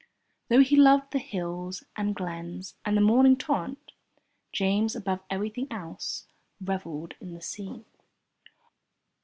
Though he loved the hills and glens and the mountain torrent, James, above everything else, revelled in the sea.